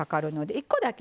１個だけ。